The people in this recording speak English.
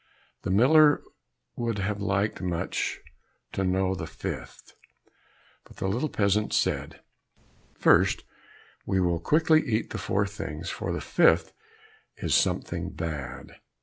The miller would have liked much to know the fifth, but the little peasant said, "First, we will quickly eat the four things, for the fifth is something bad."